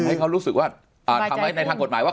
ให้เขารู้สึกว่าทำให้ในทางกฎหมายว่า